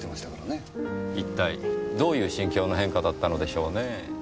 一体どういう心境の変化だったのでしょうね。